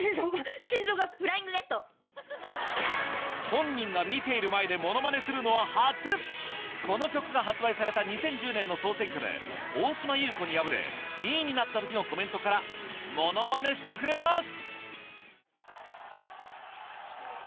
本人が見ている前でものまねするのは初この曲が発売された２０１０年の総選挙で大島優子に敗れ２位になった時のコメントからものまねしてくれます！